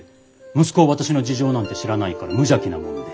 息子は私の事情なんて知らないから無邪気なもんで。